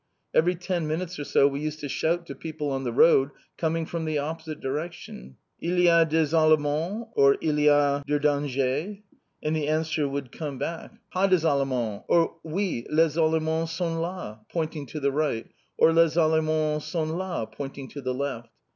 Every ten minutes or so we used to shout to people on the road, coming from the opposite direction. "Il y a des Allemands?" or "Il y a de danger?" The answer would come back: "Pas des Allemands!" or "Oui, les Allemands sont là," pointing to the right. Or "Les Allemands sont là," pointing to the left.